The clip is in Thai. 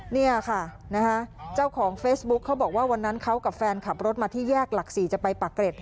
เนี่ยค่ะเจ้าของเฟซบุ๊คเขาบอกว่าวันนั้นเขากับแฟนขับรถมาที่แยกหลัก๔จะไปปากเกร็ด